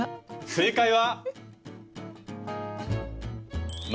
正解は！